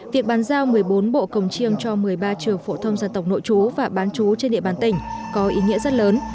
việc bàn giao một mươi bốn bộ cồng chiêng cho một mươi ba trường phổ thông dân tộc nội chú và bán chú trên địa bàn tỉnh có ý nghĩa rất lớn